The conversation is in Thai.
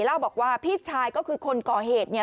เล่าบอกว่าพี่ชายก็คือคนก่อเหตุเนี่ย